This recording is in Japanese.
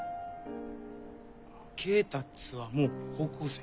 恵達はもう高校生？